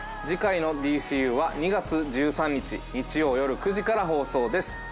次回の「ＤＣＵ」は２月１３日日曜よる９時から放送です